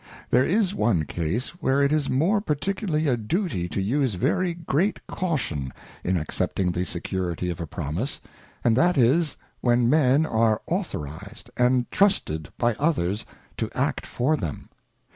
There is one Case where it is more particularly a Duty to use very great caution in accepting the security of a Promise, and that is, when Men are authorized and trusted by others to act for them.